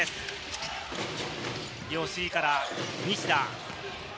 吉井から西田。